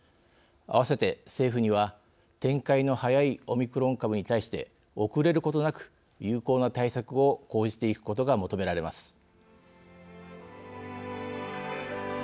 あわせて、政府には展開のはやいオミクロン株に対して遅れることなく有効な対策を講じていくことが求められます。